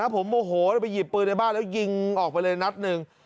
ผมโมโหแล้วไปหยิบปืนในบ้านแล้วยิงออกไปเลยนัดหนึ่ง